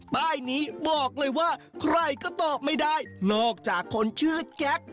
ป้ายนี้บอกเลยว่าใครก็ตอบไม่ได้นอกจากคนชื่อแจ็ค